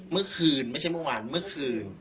เมื่อคืนไม่ใช่เมื่อวานเมื่อคืน